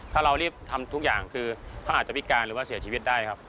ถ้าเรารีบทำทุกอย่างคือเขาอาจจะพิการหรือว่าเสียชีวิตได้ครับ